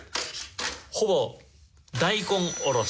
ほぼ大根おろし。